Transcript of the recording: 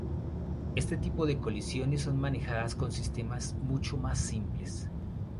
Este tipo de colisiones son manejadas con sistemas mucho más simples.